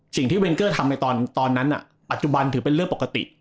เวนเกอร์ทำในตอนนั้นปัจจุบันถือเป็นเรื่องปกติ